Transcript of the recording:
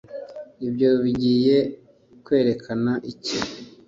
ibyo bigiye kwerekana iki